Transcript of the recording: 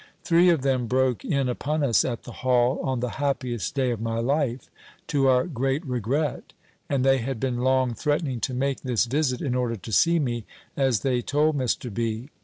Three of them broke in upon us at the Hall, on the happiest day of my life, to our great regret; and they had been long threatening to make this visit, in order to see me, as they told Mr. B.